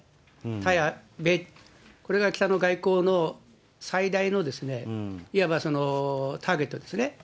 対米、外交の最大のいわばターゲットですね。